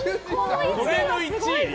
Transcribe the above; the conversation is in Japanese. これの１位？